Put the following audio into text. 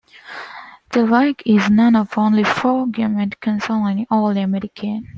Del Wilkes is one of only four Gamecock consensus All-Americans.